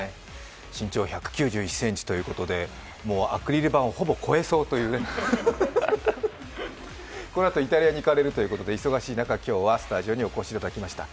身長１９１ｃｍということでアクリル板をほぼこえそうというこのあとイタリアに行かれるそうで、忙しい中、お越しいただきました。